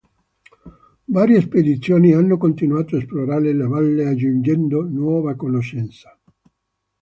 Varie spedizioni hanno continuato a esplorare la valle, aggiungendo nuova conoscenza.